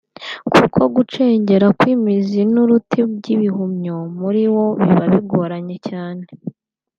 kuko gucengera kw’imizi n’uruti by’igihumyo (mycelium) muri wo biba bigoranye cyane